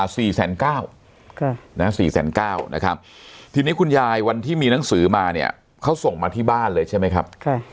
๔แสน๙๔แสน๙นะครับที่นี่คุณยายวันที่มีหนังสือมาเนี่ยเขาส่งมาที่บ้านเลยใช่ไหมครับ